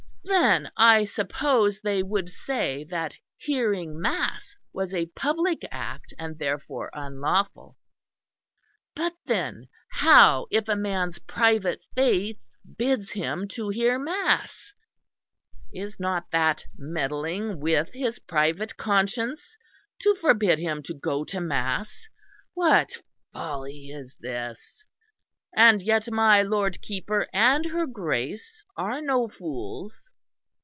Then I suppose they would say that hearing mass was a public act and therefore unlawful; but then how if a man's private faith bids him to hear mass? Is not that meddling with his private conscience to forbid him to go to mass? What folly is this? And yet my Lord Keeper and her Grace are no fools!